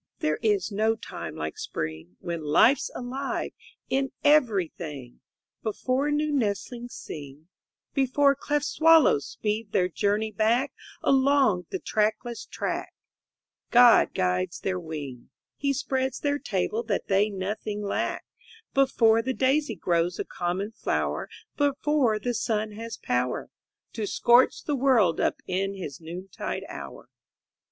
There is no time like Spring, When life's alive in everything, Before new nestlings sing, Before cleft swallows speed their journey back Along the trackless track, God guides their wing, He spreads their table that they nothing lack, Before the daisy grows a common flower, Before the sun has power To scorch the world up in his noontide hour.